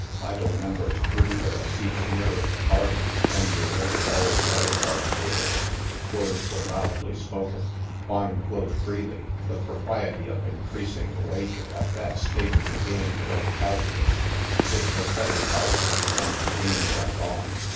Idle members drew their seats nearer the party, and deserted all the other card tables. Words were loudly spoken, wine flowed freely, the propriety of increasing the wager at that state of the game looked hazardous ; it was settled, however, and the game went on.